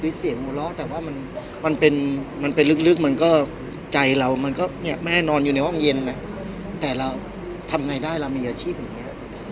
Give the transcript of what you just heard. มีเสียงหัวเราะแต่ว่ามันเป็นมันเป็นลึกมันก็ใจเรามันก็เนี่ยแม่นอนอยู่ในห้องเย็นไงแต่เราทำไงได้เรามีอาชีพอย่างนี้